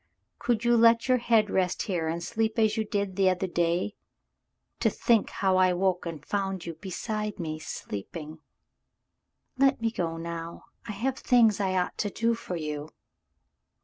Could you let your head rest here and sleep as you did the other day ? To think how I woke and found you beside me sleeping —" "Let me go now. I have things I ought to do for you."